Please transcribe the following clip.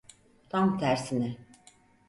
Tam tersine.